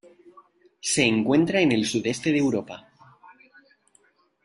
Se encuentra en el sudeste de Europa.